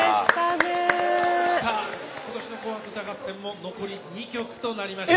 今年の「紅白歌合戦」も残り２曲となりました。